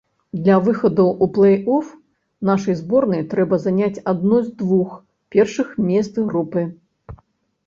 Для выхаду ў плэй-оф нашай зборнай трэба заняць адно з двух першых месцаў групы.